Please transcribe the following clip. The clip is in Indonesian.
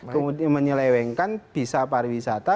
kemudian menyelewenkan visa pariwisata